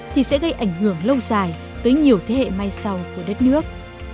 thì sẽ gây ảnh hưởng lâu dài tới nhiều thế hệ mai sau của đất nước